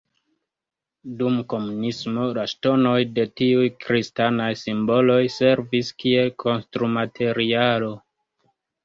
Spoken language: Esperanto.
Dum komunismo la ŝtonoj de tiuj kristanaj simboloj servis kiel konstrumaterialo.